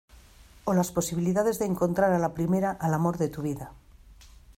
o las posibilidades de encontrar a la primera al amor de tu vida.